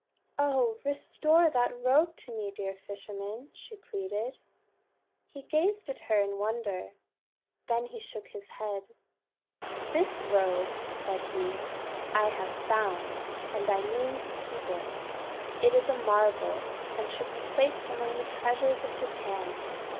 "Oh! restore that robe to me, dear fisherman," she pleaded. He gazed at her in wonder. Then he shook his head. "This robe," said he, "I have found, and I mean to keep it. It is a marvel, and should be placed among the treasures of Japan.